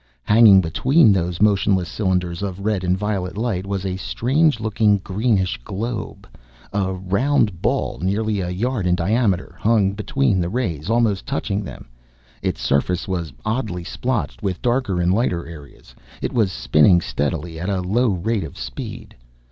Hanging between those motionless cylinders of red and violet light was a strange looking, greenish globe. A round ball, nearly a yard in diameter, hung between the rays, almost touching them. Its surface was oddly splotched with darker and lighter areas. It was spinning steadily, at a low rate of speed.